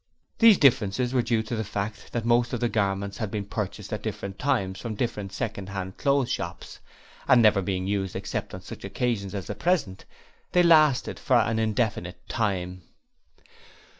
These differences were due to the fact that most of the garments had been purchased at different times from different second hand clothes shops, and never being used except on such occasions as the present, they lasted for an indefinite time.